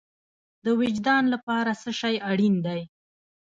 د وجدان لپاره څه شی اړین دی؟